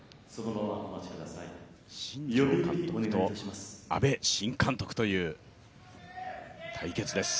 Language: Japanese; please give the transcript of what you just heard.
新庄監督と阿部新監督という対決です。